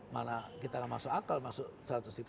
mana kita akan masuk akal masuk seratus ribu